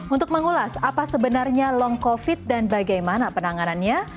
untuk mengulas apa sebenarnya long covid dan bagaimana penanganannya